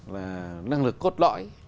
là năng lực cốt lõi